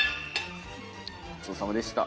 ごちそうさまでした。